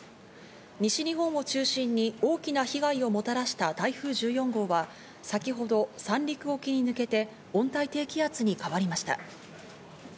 西日本を中心に大きな被害をもたらした台風１４号は先ほど三陸沖に抜けて温帯低気圧に変わりました。